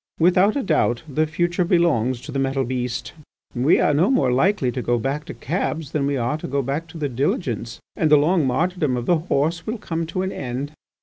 Without a doubt the future belongs to the metal beast. We are no more likely to go back to cabs than we are to go back to the diligence. And the long martyrdom of the horse will come to an end.